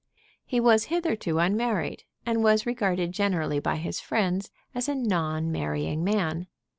He was hitherto unmarried, and was regarded generally by his friends as a non marrying man.